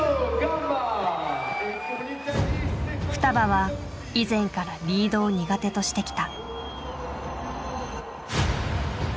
ふたばは以前から「リード」を苦手としてきた。